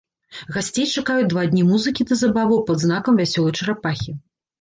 Гасцей чакаюць два дні музыкі ды забаваў пад знакам вясёлай чарапахі.